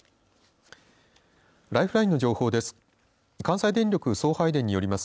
ライフラインの情報です。